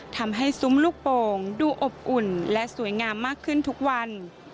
ซุ้มลูกโป่งดูอบอุ่นและสวยงามมากขึ้นทุกวัน